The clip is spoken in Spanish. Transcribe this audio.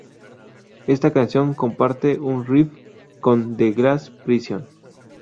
Esta canción comparte un riff con "The Glass Prison".